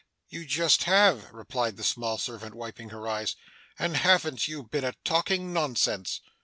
'You just have!' replied the small servant, wiping her eyes. 'And haven't you been a talking nonsense!